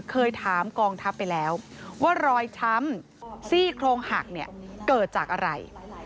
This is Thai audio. เคยถามกองทัพไปแล้วว่ารอยช้ำซี่โครงหักเนี่ยเกิดจากอะไร